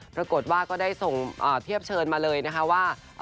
ปรากฏว่าก็ได้ส่งเทียบเชิญมาเลยนะคะว่า